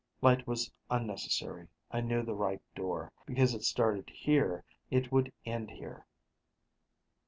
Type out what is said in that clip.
Light was unnecessary: I knew the right door. Because it started here, it would end here.